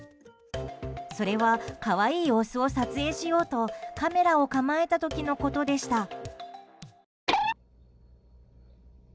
それは可愛い様子を撮影しようとカメラを構えた時のことでした。